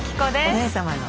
お姉様の方。